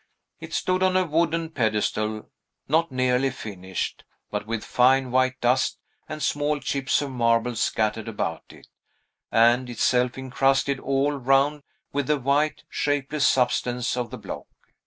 It stood on a wooden pedestal, not nearly finished, but with fine white dust and small chips of marble scattered about it, and itself incrusted all round with the white, shapeless substance of the block.